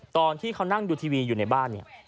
ตอนที่เขานั่งดูทีวีอยู่ในบ้านเนี่ย